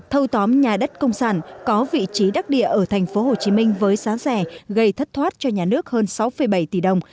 thâu tóm nhà đất công sản có vị trí đắc địa ở tp hcm với giá rẻ gây thất thoát cho nhà nước hơn sáu bảy tỷ đồng